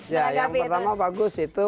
ya yang pertama bagus itu